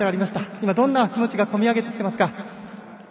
今、どんな気持ちが込み上げてきていますか。